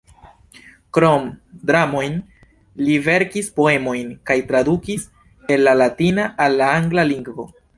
Krom dramojn li verkis poemojn kaj tradukis el la latina al la angla lingvo.